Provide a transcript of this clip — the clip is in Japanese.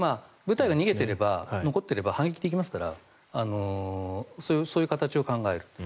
部隊が逃げていれば残っていれば反撃できますからそういう形を考える。